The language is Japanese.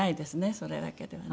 それだけではね。